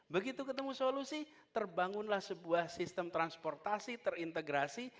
begitu ketemu solusi terbangunlah sebuah sistem transportasi terintegrasi